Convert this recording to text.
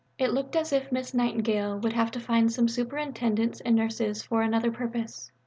In April 1878 it looked as if Miss Nightingale would have to find Superintendents and Nurses for another purpose.